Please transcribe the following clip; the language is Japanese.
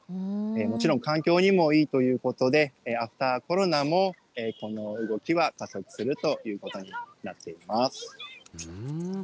もちろん環境にもいいということで、アフターコロナも、この動きは加速するということになっています。